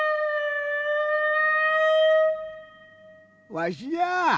わしじゃあ！